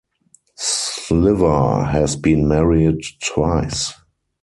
Sliwa has been married twice.